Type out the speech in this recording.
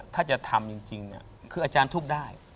ถ้าจะทำจริงคืออาจารย์ทุบได้